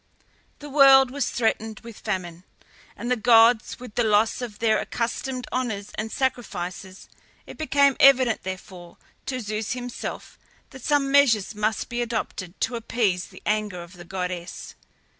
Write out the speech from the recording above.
The world was threatened with famine, and the gods with the loss of their accustomed honours and sacrifices; it became evident, therefore, to Zeus himself that some measures must be adopted to appease the anger of the goddess.